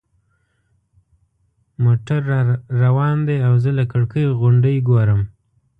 موټر روان دی او زه له کړکۍ غونډۍ ګورم.